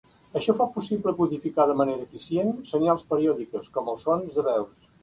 Això fa possible codificar de manera eficient senyals periòdiques, com els sons de veus.